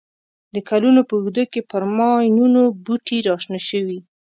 د کلونو په اوږدو کې پر ماینونو بوټي را شنه شوي.